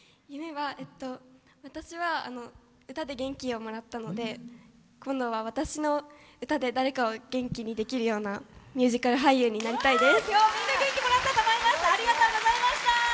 私は歌で元気をもらったので今度は私の歌で誰かを元気にできるようなミュージカル俳優になりたいです。